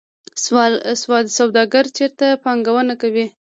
سوداګر چیرته پانګونه کوي؟